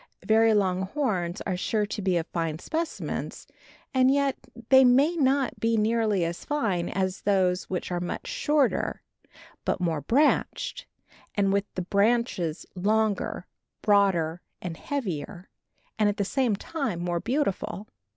Very long horns are sure to be fine specimens, and yet they may not be nearly as fine as those which are much shorter, but more branched, and with the branches longer, broader and heavier, and at the same time more beautiful.